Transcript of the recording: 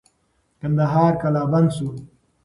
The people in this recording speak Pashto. کندهار قلابند سو.